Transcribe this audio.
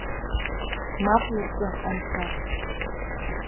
Мап лыркы, анцәа!